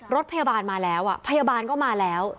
รถพยาบาลมาแล้วพยาบาลก็มาแล้ว